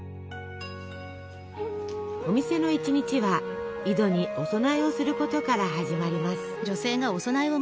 お店の一日は井戸にお供えをすることから始まります。